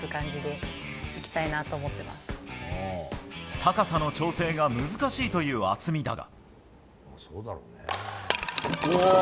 高さの調整が難しいという渥美だが。